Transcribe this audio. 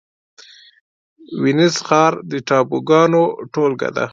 وینز ښار د ټاپوګانو ټولګه ده